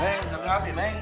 neng dateng abis neng